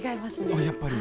あっやっぱり。